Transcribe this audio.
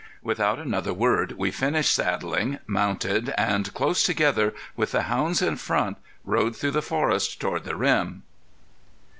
Without another word we finished saddling, mounted and, close together, with the hounds in front, rode through the forest toward the rim.